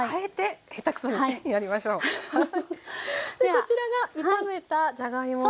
こちらが炒めたじゃがいもですね。